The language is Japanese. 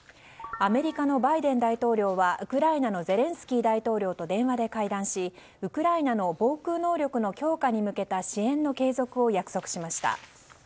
アメリカのバイデン大統領はウクライナのゼレンスキー大統領と電話で会談しウクライナの防空能力の強化に向けた支援の継続を約束しました。